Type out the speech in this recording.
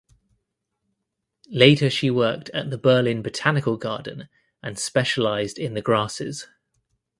Later she worked at the Berlin Botanical Garden and specialized in the grasses.